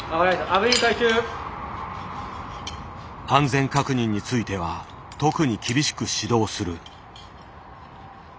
安全確認については特に厳しく指導する。